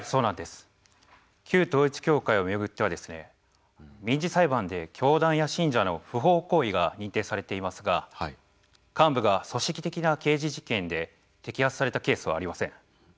旧統一教会をめぐっては民事裁判で教団や信者の不法行為が認定されていますが幹部が組織的な刑事事件で摘発されたケースはありません。